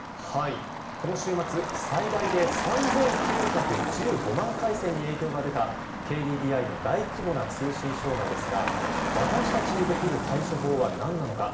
この週末最大で３９１５万回線に影響が出た、ＫＤＤＩの大規模な通信障害ですが私たちにできる対処法は何なのか。